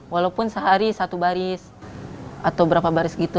walaupun sehari satu baris atau berapa baris gitu